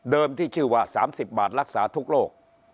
ที่ชื่อว่า๓๐บาทรักษาทุกโรค